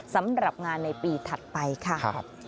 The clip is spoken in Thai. สำหรับงานในปีถัดไปค่ะ